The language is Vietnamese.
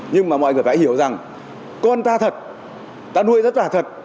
nhưng mà mọi người đã hiểu rằng con ta thật ta nuôi rất là thật